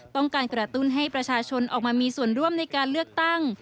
กระตุ้นให้ประชาชนออกมามีส่วนร่วมในการเลือกตั้ง